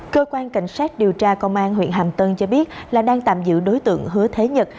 cơ quan cảnh sát điều tra công an huyện hàm tân cho biết là đang tạm giữ đối tượng hứa thế nhật